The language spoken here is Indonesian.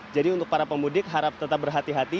jadi untuk para pemudik harap tetap berhati hati